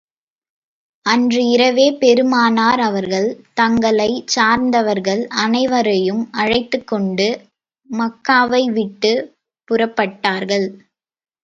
அன்று இரவே, பெருமானார் அவர்கள், தங்களைச் சார்ந்தவர்கள் அனைவரையும் அழைத்துக் கொண்டு, மக்காவை விட்டுப் புறப்பட்டார்கள்.